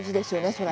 それ。